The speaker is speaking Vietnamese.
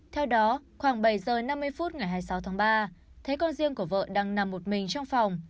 theo đó khoảng bảy giờ năm mươi phút ngày hai mươi sáu tháng ba thấy con riêng của vợ đang nằm một mình trong phòng